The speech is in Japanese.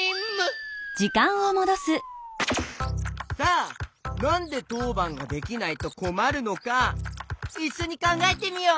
さあなんでとうばんができないとこまるのかいっしょにかんがえてみよう！